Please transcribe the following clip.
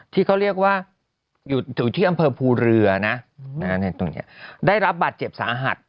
ที่เขาเรียกว่าอยู่ถึงที่อำเภอพูเรือได้รับบัตรเจ็บสาหัส